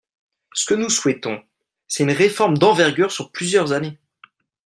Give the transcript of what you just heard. Ce que nous souhaitons, c’est une réforme d’envergure sur plusieurs années.